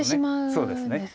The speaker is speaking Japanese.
そうですね。